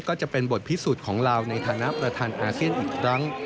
ก็จะเป็นบทพิสูจน์ของลาวในฐานะประธานอาเซียนอีกครั้ง